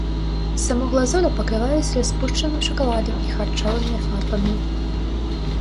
Саму глазуру пакрываюць распушчаным шакаладам і харчовымі фарбамі.